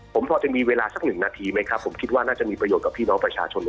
ผมพอจะมีเวลาสักหนึ่งนาทีไหมครับผมคิดว่าน่าจะมีประโยชน์กับพี่น้องประชาชน